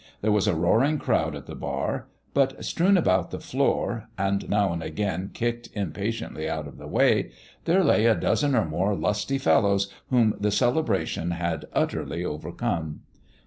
There was a roaring crowd at the bar ; but strewn about the floor and now and again 60 PALE PETER'S GAME 61 kicked impatiently out of the way there lay a dozen or more lusty fellows whom the celebra tion had utterly overcome.